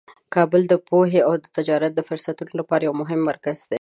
کابل د پوهې او تجارتي فرصتونو لپاره یو مهم مرکز دی.